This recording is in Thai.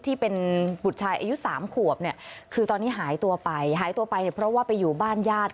ที่เป็นบุตรชายอายุ๓ขวบเนี่ยคือตอนนี้หายตัวไปหายตัวไปเนี่ยเพราะว่าไปอยู่บ้านญาติ